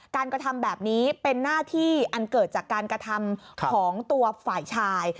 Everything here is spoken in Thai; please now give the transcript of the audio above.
กระทำแบบนี้เป็นหน้าที่อันเกิดจากการกระทำของตัวฝ่ายชาย